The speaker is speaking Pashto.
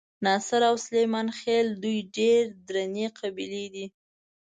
ناصر او سلیمان خېل دوې ډېرې درنې قبیلې دي.